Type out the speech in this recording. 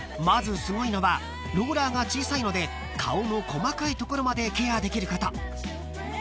まずすごいのはローラーが小さいので顔の細かい所までケアできること］